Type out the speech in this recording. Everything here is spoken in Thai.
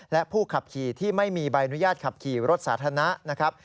และผู้ขับขี่ที่ไม่มีใบอนุญาตขับขี่รถสาธารณะนะครับ